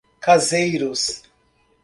Caseiros